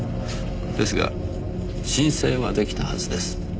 ですが申請はできたはずです。